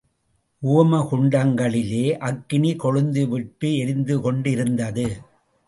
ஓம குண்டங்களிலே அக்கினி கொழுந்து விட்டு எரிந்துகொண்டிருந்தது.